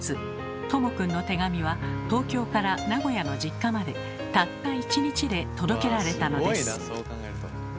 とも君の手紙は東京から名古屋の実家までたった１日で届けられたのです。